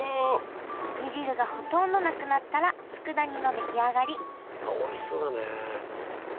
煮汁がほとんどなくなったらつくだ煮の出来上がりおいしそうだね。